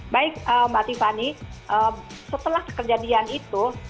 baik mbak tiffany setelah kejadian itu